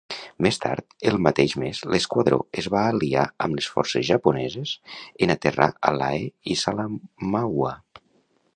Més tard el mateix mes, l'esquadró es va aliar amb les forces japoneses en aterrar a Lae i Salamaua.